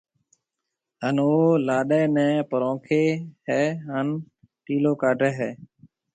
ھان او لاڏَي نيَ پرونکيَ ھيََََ ھان ٽِيلو ڪاڊھيََََ ھيََََ